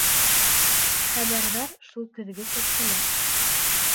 Хәбәрҙар шул көҙгө сәскәләр.